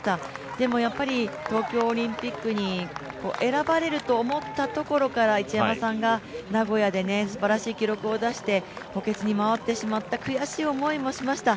でもやっぱり東京オリンピックに選ばれると思ったところから一山さんが名古屋ですばらしい成績を残して補欠に回ってしまった悔しい思いもしました。